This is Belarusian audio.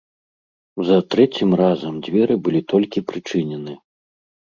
За трэцім разам дзверы былі толькі прычынены.